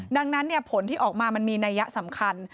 ดังนั้นผลที่ออกมามันมีนัยยะสำคัญ